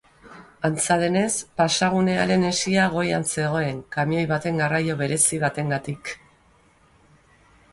Antza denez, pasagunearen hesia goian zegoen, kamioi baten garraio berezi batengatik.